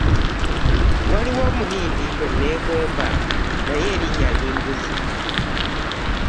Waliwo omuyimbi gwe nneegomba naye erinnya limbuze.